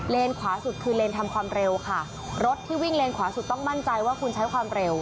ขวาสุดคือเลนทำความเร็วค่ะรถที่วิ่งเลนขวาสุดต้องมั่นใจว่าคุณใช้ความเร็ว